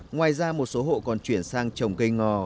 ngoài ra một số hộ còn chuyển sang trồng cây ngò